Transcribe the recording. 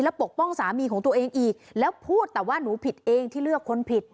ปกป้องสามีของตัวเองอีกแล้วพูดแต่ว่าหนูผิดเองที่เลือกคนผิด